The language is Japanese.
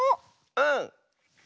うん。